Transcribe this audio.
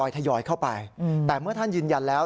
ทยอยเข้าไปแต่เมื่อท่านยืนยันแล้ว